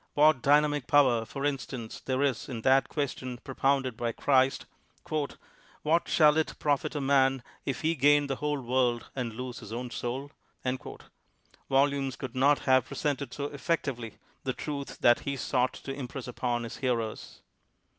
What dynamic power, for instance, there is in that question propounded by Christ, "What shall it profit a man if he gain the whole world and lose his own soul ?'' Volumes could not have pre sented so effectively the truth that he sought to impress upon his hearers.